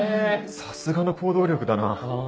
さすがの行動力だな。